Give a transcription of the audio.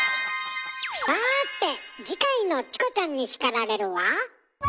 さて次回の「チコちゃんに叱られる」は？